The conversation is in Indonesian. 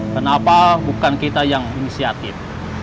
kenapa bukan kita yang inisiatif